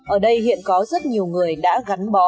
ở đây hiện có rất nhiều người đã gắn bó